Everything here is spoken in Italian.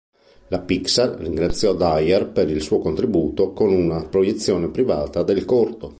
La Pixar ringraziò Dyer per il suo contribuito con una proiezione privata del corto.